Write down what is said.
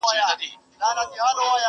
پر انګړ يې د پاتا كمبلي ژاړي!!